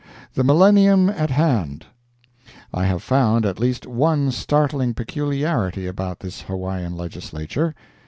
THE MILLENNIUM AT HAND I have found at least one startling peculiarity about this Hawaiian Legislature.